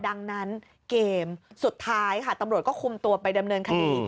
ดังนั้นเกมสุดท้ายค่ะตำรวจก็คุมตัวไปดำเนินคดี